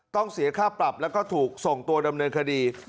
ต้องเสียค่าปรับแล้วก็ถูกส่งตัวดำเนินคดี